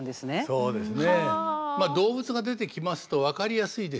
そうですね。